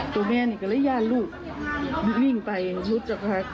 ตัวแม่นี้ก็เลยย่านลูกคลุกลิ้งไปลุดป่ะ